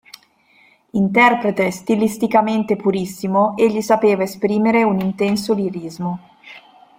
Interprete stilisticamente purissimo, egli sapeva esprimere un intenso lirismo.